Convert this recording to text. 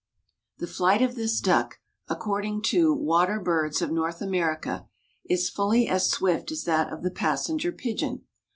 The flight of this duck, according to "Water Birds of North America," is fully as swift as that of the passenger pigeon.